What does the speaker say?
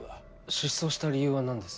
失踪した理由は何です？